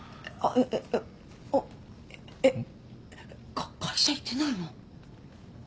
かっ会社行ってないの？